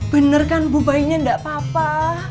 bener kan bu bayinya enggak apa apa